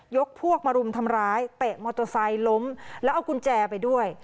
พวกมารุมทำร้ายเตะมอเตอร์ไซค์ล้มแล้วเอากุญแจไปด้วย